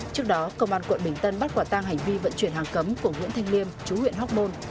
trước đó công an quận bình tân bắt quả tang hành vi vận chuyển hàng cấm của nguyễn thanh liêm chú huyện hóc môn